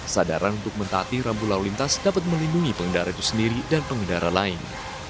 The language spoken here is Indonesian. sadaran untuk mentatih rambu lalu lintas dapat melindungi pengendara itu sendiri dan pengendara lain